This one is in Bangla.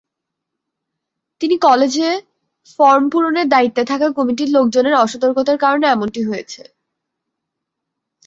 কিন্তু কলেজে ফরম পূরণের দায়িত্বে থাকা কমিটির লোকজনের অসতর্কতার কারণে এমনটি হয়েছে।